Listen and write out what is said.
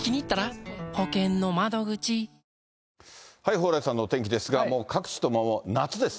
蓬莱さんのお天気ですが、もう各地とも夏です。